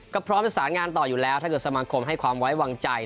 ก็พร้อมจะสารงานต่ออยู่แล้วถ้าเกิดสมาคมให้ความไว้วางใจ